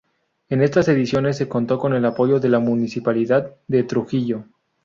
En estas ediciones se contó con el apoyo de la Municipalidad de Trujillo.